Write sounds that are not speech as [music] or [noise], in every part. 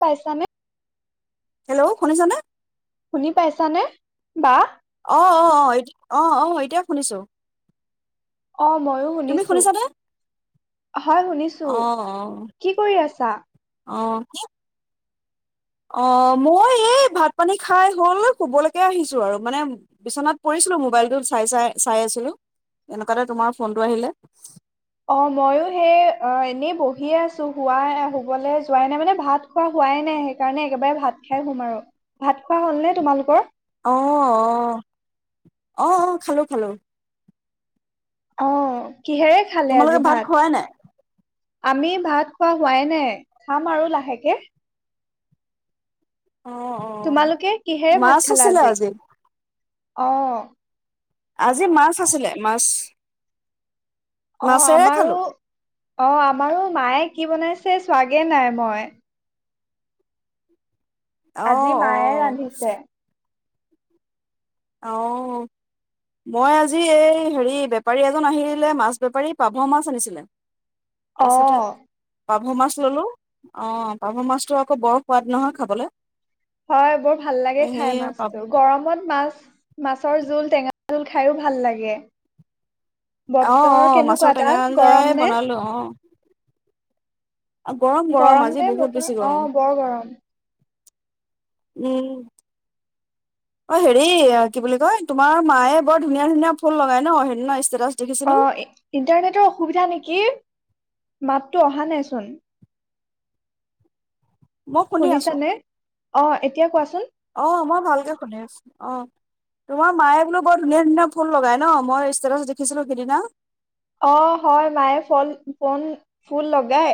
পইচা ম হেল্ল' শুনিছনে শুনি পাইছানে বা অ' অ' অ' অ' অ' এতিয়া শুনিছো অ' ময়ো তুমি শুনিছো শুনিছানে? হয় শুনিছো অ কি কৰি আছা অ' অ মই এই ভাত পানী খাই হ'ল শুবলৈকে আহিছোঁ আৰু মানে বিচনাত পৰিছিলোঁ মোবাইলটো চাই চাই চাই আছিলোঁ এনেকুৱাতে তোমাৰ ফোনটো আহিলে অ মইো সেই অ এনেই বহিয়ে আছো হোৱা শুবলৈ যোৱাই নাই মানে ভাত খোৱা হোৱাই নাই সেইকাৰণে একেবাৰে ভাত খাই শুম আৰু ভাত খোৱা হলনে তোমালোকৰ আহ আহ আহ আহ খালো খালো অ' কিহেৰে খালে তোমালোকে আজি ভাত খোৱাই নাই? আমি ভাত খোৱা হোৱাই নে খাম আৰু লাহেকে, অ অ তোমালোকে কিহেৰে ভাত মাছ খালা আছিলে আজি অ' আজি মাছ আছিলে মাছ অ' মাছেৰে খালো। আমাৰো অ আমাৰো মায়ে কি বনাইছে চাৱোগে নাই মই অ আজি অ মায়ে ৰান্ধিছে, অ' মই আজি এই হেৰি বেপাৰী এজন আহিলে মাছ বেপাৰী পাভ মাছ আনিছিলে। তাৰপিছতে আহ! পাভ মাছ ললোঁ অ পাভ মাছটো আকৌ বৰ সোৱাদ নহয় খাবলৈ। হয় বৰ ভাল লাগে খাই সেইয়া পাভ মাছতটো গৰমত মাছ, মাছৰ জোল টেঙা জোল খাইও ভাল লাগে, অ' বতৰ অ' মাছৰ কেনেকুৱা টেঙা তাত গৰম আঞ্জাই নে বনালো আহ গৰম আজি দেই বহুত বতৰ। বেছি অ গৰম বৰ গৰম উম অ হেৰি কি বুলি কয় তোমাৰ মায়ে বৰ ধুনীয়া ধুনীয়া ফুল লগাই ন সেদিনা ষ্টেটাচ দেখিছিলো অ ইণ্টাৰনেটৰ অসুবিধা নেকি। মাততো অহা নাইচোন মই শুনি আছো শুনিছানে অ' এতিয়া কোৱাচোন, অ' মই ভালকে শুনে অ তোমাৰ মায়ে বোলো বৰ ধুনীয়া ধুনীয়া ফুল লগাই ন মই ষ্টেটাছ দেখিছিলো সিদিনা অ হয় মায়ে ফল, ফোন, ফুল লগায়।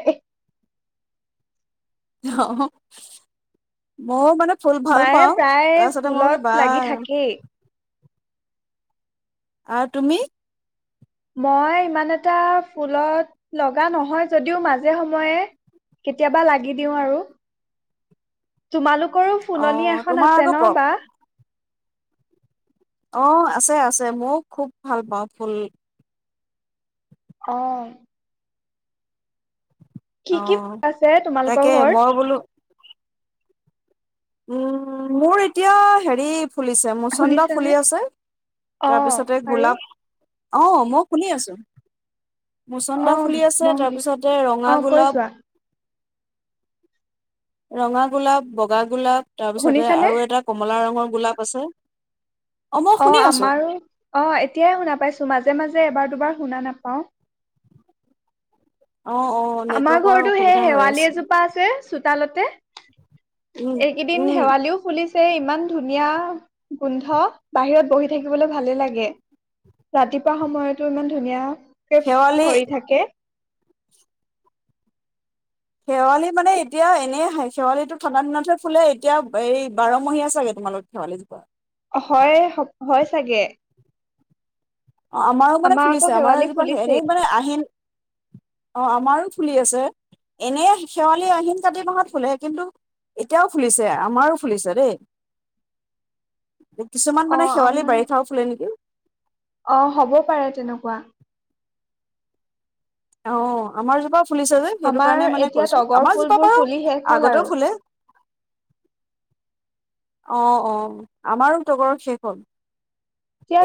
অ মই মানে ফুল ভাল মায়ে পাওঁ প্ৰায় তাৰপিছতে মই বোলো বা ফুলত লাগি থাকেই। আৰু তুমি? মই ইমান এটা ফুলত লগা নহয় যদিও মাজে সময়ে কেতিয়াবা লাগি দিওঁ আৰু। তোমালোক সৰু ফুলনি অ' এখন তোমাৰ আছে আকৌ ন বা অ' আছে, আছে। মও খুব ভাল পাওঁ ফুল। অ অ', কি কি আছে তাকে তোমালোকৰ ঘৰত? মই বোলো উম মোৰ এতিয়া হেৰি ফুলিছে। মচন্দাও শুনিছানে? ফুলি আছে অ'। তাৰপিছতে আৰু গোলাপ অ' মই শুনি আছো। মচন্দা অ' ফুলি আছে মই শুনিছো তাৰপিছতে ৰঙা অ' কৈ গোলাপ যোৱা ৰঙা গোলাপ, বগা গো গোলাপ তাৰ পিছতে শুনিছানে? আৰু এটা কমলা ৰঙৰ গোলাপ আছে মই অ শুনি আছো আমাৰো অ এতিয়াই শুনা পাইছো মাজে মাজে এবাৰ দোবাৰ শুনা নাপাওঁ। অ', অ', আমাৰ নেটৱৰ্কৰ ঘৰতো সেই অসুবিধা হৈ শেৱালি আছে এজোপা আছে চো চোতালতে। উম, এইকেইদিন উম। শেৱালিও ফুলিছে। এই ইমান ধুনীয়া গোন্ধ। বাহিৰত বহি থাকিবলৈ ভালেই লাগে। ৰাতিপুৱা সময়তো ইমান ধুনীয়া শেৱালি ভৰি থাকে শেৱালি মানে এতিয়া এনেই শেৱালিটো ঠাণ্ডা দিনতহে ফুলে এতিয়া এই বাৰমহীয়া চাগে তোমালোক শেৱালিজোপা। হয়, হয় চাগে অ' আমাৰো মানে আকৌ ফুলিছে আমাৰ শেৱালি এইজোপা হেৰি ফুলিছেই। মানে আহিন অ আমাৰো ফুলি আছে এনে শেৱালি আহিন কাতি মাহত ফুলে কিন্তু এতিয়াও ফুলিছে। আমাৰো ফুলিছে দেই। কিছুমান মানে অ' শেৱালি আমাৰ বাৰিষাও ফুলে নেকি অ হ'ব পাৰে তেনেকুৱা। অ আমাৰ জোপা। ফুলিছে যে সেইটো আমাৰ কাৰণে মানে এতিয়া কৈছো তগৰ আমাৰ যোপা ফুলবোৰ পাৰো ফুলি শেষ হ'ল আগতেও আৰু। ফুলে অ অ আমাৰো তগৰ শেষ হ'ল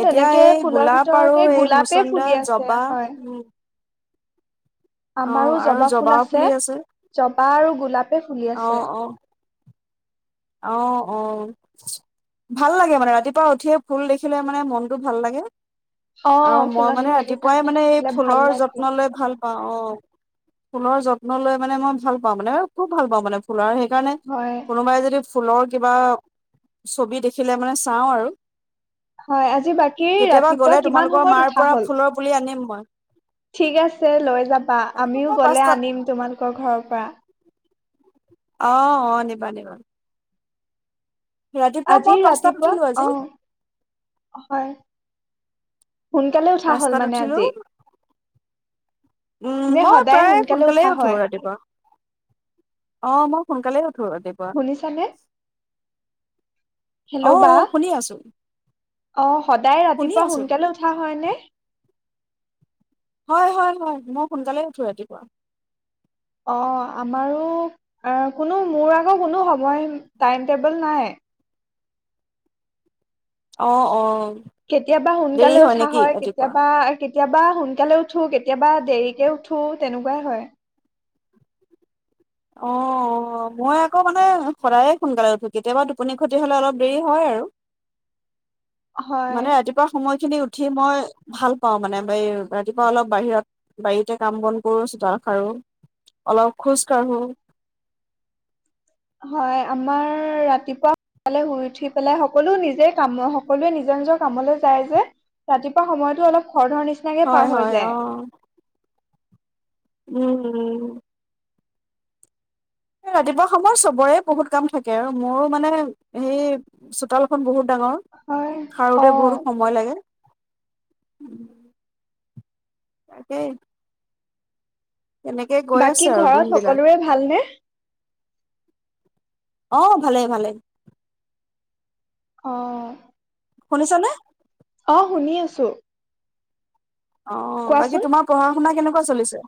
এতিয়া তেনেকে এই ফুলৰ গোলাপ আৰু ভিতৰতে এই গোলাপে মুচন্দা ফুলি আছে জবা হয়। উ আমাৰো আৰু জবা ফুল জবাও আছে জবা আৰু গোলাপে ফ আহ অ অ অ ভাল লাগে মানে ৰাতিপুৱা উঠিয়ে ফুল দেখিলে মানে মনটো ভাল লাগে। অ' আৰু মই ফুলনি মানে ৰাতিপুৱাই বাগিছাখন মানে এই দেখিলে ভাল ফুলৰ লাগে। যত্ন লৈ ভাল পাওঁ অ ফুলৰ যত্ন লৈ মানে মই ভাল পাওঁ মানে খুব ভাল পাওঁ মানে ফুলৰ কাৰণে হয়, কোনোবাই যদি ফুলৰ কিবা ছবি দেখিলে মানে চাওঁ আৰু হয় আজি বাকী কেতিয়াবা ৰাতিপুৱা গ'লে কিমান তোমালোকৰ সময়ত মাৰ উঠা পৰা হল ফুলৰ পুলি আনিম মই ঠিক আছে লৈ যাবা ৰাতিপুৱা আমিও মই গলে পাঁচটাত আনিম তোমালোকৰ ঘৰৰ পৰা অ অ নিবা নিবা। ৰাতিপুৱা মই আজি পাঁচটাত ৰাতিপুৱা উঠিলো আজি আহ হয়। সোনকালে উঠা হ'ল পাঁচটাত মানে উঠিলো আজি উম যে মই সদায় প্ৰায় সোনকালে সোনকালেই উঠা উঠো হয় ৰাতিপুৱা অ মই সোনকালে উঠো ৰাতিপআহ শুনিছানে আহ শুনি আছো আহ সদায় শুনি ৰাতিপুৱা আছো সোনকালে উঠা হয় নে? হয় হয় হয় মই সোনকালে উঠো ৰাতিপুৱা অ আমাৰো কোনো মোৰ আকৌ কোনো সময় টাইম টেবুল নাই অ অ কেতিয়াবা দেৰি সোনকালে উঠা নেকি হয় ৰাতিপুৱা কেতিয়াবা কেতিয়াবা সোনকালে উঠো কেতিয়াবা দেৰিকে উঠো তেনেকুৱাই হয় অ মই আকৌ মানে সদায়ে সোনকালে উঠো কেতিয়াবা টোপনি ক্ষতি হ'লে অলপ দেৰি হয় আৰু হয় মানে ৰাতিপুৱা সময়খিনি উ উঠি মই ভাল পাওঁ মানে ব ৰাতিপুৱা অলপ বাহিৰত বাৰীতে কাম বন কৰো চোতাল খাৰো অলপ খোজ তই সো হয় আমাৰ ৰাতিপুৱা সালে শুই উঠি পেলাই সকলো নিজে কাম সকলোৱে নিজৰ নিজৰ কামলে যায় যে ৰাতিপুৱা সময়তো অলপ খৰধৰ নিচিনাকৈ পাৰ হয় হৈ হয় অ যায় উম উম ৰাতিপুৱা সময়ত চবৰে বহুত কাম থাকে আৰু মোৰো মানে সেই চোতালখন বহুত ডাঙৰ হয় সাৰোতে অ বহুত সময় লাগে। উম তাকেই তেনেকে গৈ বাকী আছে আৰু ঘৰত দিনবিলাক সকলোৰে ভালনে অ' ভালে ভালে অ শুনিছ নে অ' শুনি আছো অ' বাকী কোৱাচোন তোমাৰ পঢ়া শুনা কেনেকুৱা কেনেকুৱা চলিছে,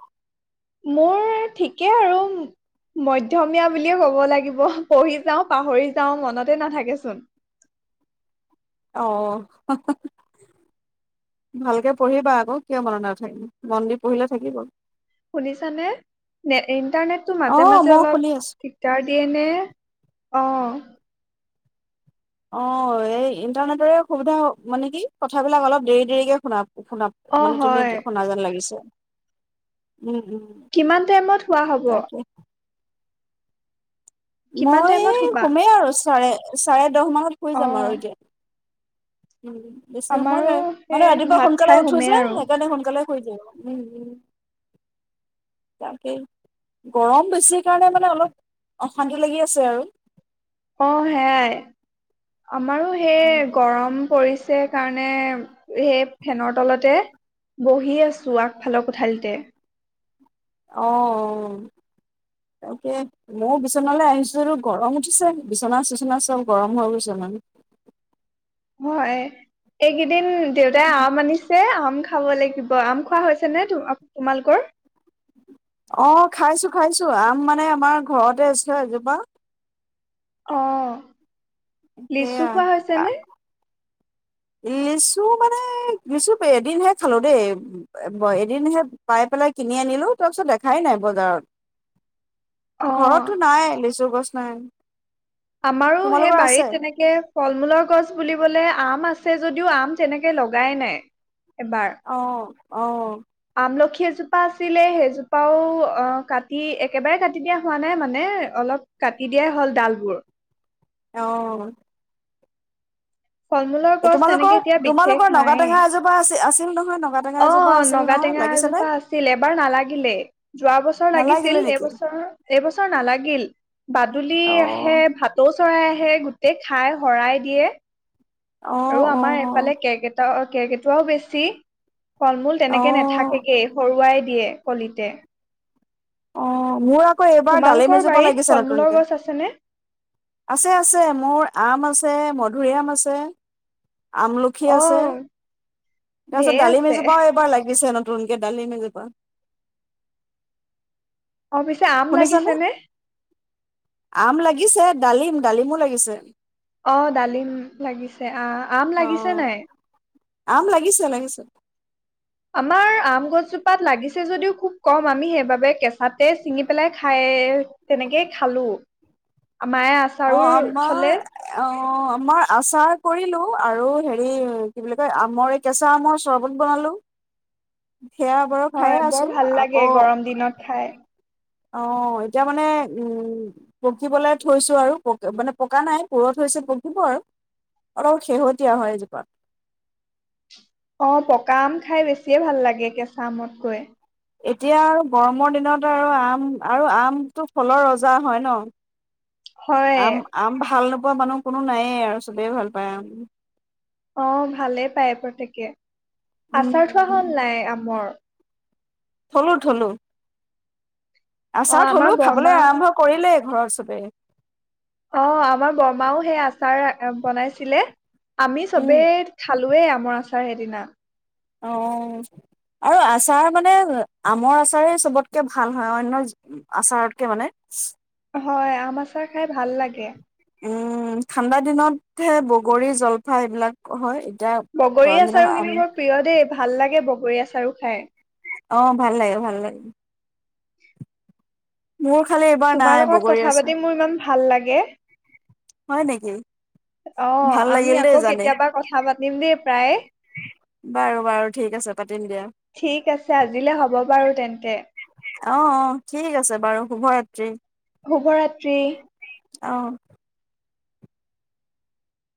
মোৰ ঠিকেই আৰু মধ্যমীয়া বুলিয়ে কব লাগিব পঢ়ি যাওঁ পাহৰি যাওঁ মনতে নাথাকেচোন অ হা হা। ভালকে পঢ়িবা আকৌ কিয় মনত নাথাকিব মন দি পঢ়িলে থাকিব। শুনিছানে নে ইন্টাৰনেটটো অ মাজে মাজে মই অলপ শুনি আছো দিগদাৰ দিয়ে নে অ' অ' এই ইণ্টাৰনেটৰে সুবিধা মানে কি কথাবিলাক অলপ দেৰি দেৰিকে শুনা শুনা অ', মানে তুমি হয় শুনা যেন লাগিছে উম উম কিমান টাইমত শুৱা হব তাকে কিমান মই টাইমত শুবা? শুমেই আৰু চাৰে চাৰে দহ মাহত শুই যাম অ', আৰু এতিয়া উম। বেছি সময় আমাৰো হয় মানে সেই ৰাতিপুৱা ভাত সোনকালে খাই উঠো শুমেই যে আৰু সেইকাৰণে সোনকালে তাকেই। গৰম বেছি কাৰণে মানে অলপ অশান্তি লাগি আছে আৰু অ---হ হেৱাই আমাৰো সেই উম গৰম পৰি সেইকাৰণে সেই ফেনৰ তলতে বহি আছো আগফালৰ কোঠালিতে অ' -অ' তাকে মইয়ো বিচনালৈ আহিছো এই গৰম উঠিছে বিচনা চিচনা চব গৰম হৈ গৈছে মানে হয় এইকেইদিন দিন দেউতাই আম আনি এই আম খাব লাগিব আম খোৱা হৈছে নে তোমালোকৰ অ খাইছো খাইছো আম মানে আমাৰ ঘৰতে আছে এজোপা অ লিচু সেয়া খোৱা হৈছে নে লিচু মানে লিচু এদিনহে খালো দেই এদিনহে পাই পেলাই কিনি আনিলো তাৰপিছত দেখাই নাই বজাৰত অ ঘৰতটো নাই লেচু গছ নাই আমাৰো সেই তোমালোকৰ আছে বাৰীত তেনেকে ফল মূলৰ গছ বুলিবলে আম আছে আছে যদিও আম তেনেকে লগাই নাই এবাৰ অ অঁ আমলখি এজোপা আছিলে সেইজোপাও অ কাটি একেবাৰে কাটি দিয়া হোৱা নাই মানে অলপ কাটি দিয়াই হ'ল ডালবোৰ অ ফল মূলৰ এ গছ তেনেকে তোমালোকৰ এতিয়া বিশেষ তোমালোকৰ নগা নাইয়ে। টেঙা এজোপা আ আছে [unintelligible] অ নগা টেঙা এজোপা আছিল এবাৰ নালাগিলেই যোৱা বছৰ নালাগিলে লাগিছিল নেকি এইবছৰ এইবছৰ নালাগিল বাদুলি অ আহে ভাটৌ চৰাই আহে হে গোটেই খাই শৰাই দিয়ে আৰু অ', আমাৰ অ', এফালে কেক এটা তাকে কেৰ্কেটুৱাটো বেছি ফল মূল তেনেকে অ', নাথাকেগে হৰুৱাই দিয়ে কলিতে অ মোৰ কৌ এইবাৰ ডালি তোমালোকৰ এজোপা বাৰীত ফল লাগিছে মূলৰ নতুনতে গছ আছেনে? আছে আছে মোৰ আম আছে মধুৰি আম আছে আমলখি অ আছে তাৰপিছত ঢেৰ দালি আছে। এজোপাঁও এবাৰ লাগিছে নতু দোনকে ডালি এজোপা অ পিছে আম লাগিছে শুনিছানে? নে আম লাগিছে ডালিম ডালিমো লাগিছে অ ডালিম লাগিছে আহ আম লাগিছে অ', নাই আম লাগিছে লাগিছে আমাৰ আম গছজোপাত লাগিছে যদিও খুব কম আমি সেইবাবে কেঁচাতে ছিঙি পেলাই খাই তেনেকেই খালো। মায়ে অ', আচাৰো আমাৰ থলে অ আমাৰ আচাৰ কৰিলো আৰু হেৰি কি বুলি কয় আমৰে এই কেঁচা আমৰ চৰবত বনালো সেয়া বাৰু খায়ে হয় আছো বৰ ভাল লাগে আকৌ গৰম দিনত খাই অ এতিয়া মানে উম পকিবলৈ থৈছো আৰু প মানে পকা নাই পুৰ থৈছিল পকিব আৰু অলপ শেহতীয়া হয় এজোপা অ পকা আম খাই বেছিয়ে ভাল লাগে কেঁচা আমতকৈ এতিয়া আৰু গৰমৰ দিনত আৰু আম আৰু আমটো ফলৰ ৰজা হয় ন হয় আম আম ভাল নো নোখোৱা মানুহ কোনো নায়য়ে আৰু চবেই ভাল পায় অ ভালেই পায় প্ৰত্যেকে উম, আচাৰ থোৱা হল উম, নাই আমৰ থলো থলো অ আচাৰত আমাৰ হলো বৰমা খাবলৈ আৰম্ভ কৰিলেই ঘৰত চবে। অঁ আমাৰ বৰমাও সেই আচাৰে বনাইছিলে।। আমি উম, চবে খালো।। ৱেই আমৰ আচাৰ সেইদিনা। অ' আৰু আচাৰ মানে আমৰ আচাৰেই চবতকে ভাল হয়। অন্য আচাৰতকে মানে।। হয় আম আচাৰ খাই ভাল লাগে। উম ঠাণ্ডা দিনত হে বগৰী, জলফাই এইবিলাক হয়। এতিয়া বগৰী গৰম দিনত আছাৰ আম কিন্তু মোৰ প্ৰিয় দেই ভাল লাগে বগ।। বগৰী আছাৰো খাই। অ ভাল লাগে ভাল লাগে। মোৰ খালি এইবাৰ তোমাৰ নাই, লগত বগৰী কথা আচাৰ। পাতি মোৰ ইমান ভাল লাগে।। হয় নেকি অ ভাল আমি লাগিল আকৌ দেই জানি কেতিয়াবা কথা পাতিম দেই প্ৰায়েই। বাৰু বাৰু ঠিক আছে পাতিম দিয়া ঠিক আছে আজিলে হ'ব বাৰু তেন্তে। অ' অ' ঠিক আছে বাৰু শুভৰাত্ৰি। শুভৰাত্ৰি। অহ।